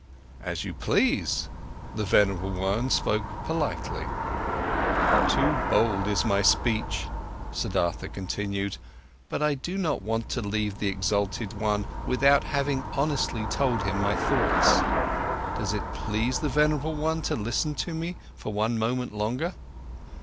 "As you please," the venerable one spoke politely. "Too bold is my speech," Siddhartha continued, "but I do not want to leave the exalted one without having honestly told him my thoughts. Does it please the venerable one to listen to me for one moment longer?"